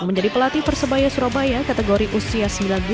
menjadi pelatih persebaya surabaya kategori usia sembilan belas